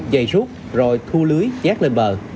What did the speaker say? dày rút rồi thu lưới chát lên bờ